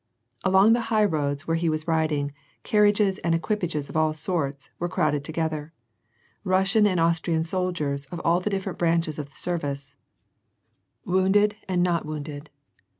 Along the high road where he was riding, carriages and equi pages of all sorts were crowded together, Eussian and Aus trian soldiers of all the different branches of the service. WAR Aifb P&Acn. 349 wounded and not wounded.